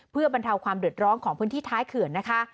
เพื่อบรรเทาความเดือดร้อนของพื้นที่ท้ายเขื่อนนะคะ